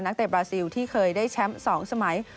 เตะบราซิลที่เคยได้แชมป์๒สมัย